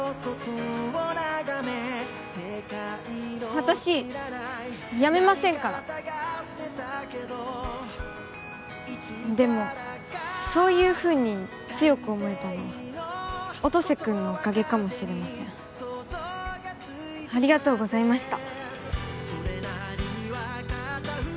私やめませんからでもそういうふうに強く思えたのは音瀬君のおかげかもしれませんありがとうございました